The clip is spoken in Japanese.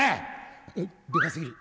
あっでか過ぎる。